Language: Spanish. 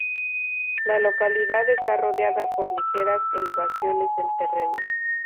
La localidad está rodeada por ligeras elevaciones del terreno.